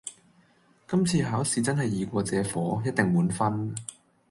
今次考試真係易過借火，一定滿分